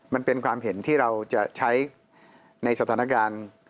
มันเป็นความเห็นที่เราจะใช้ในสถานการณ์